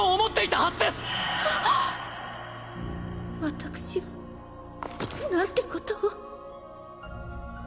私はなんてことを。